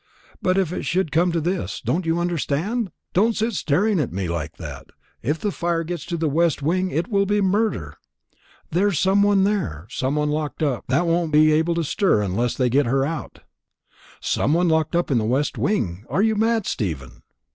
But if it should come to this don't you understand? Don't sit staring at me like that. If the fire gets to the west wing, it will be murder. There's some one there some one locked up that won't be able to stir unless they get her out." "Some one locked up in the west wing! Are you mad, Stephen?"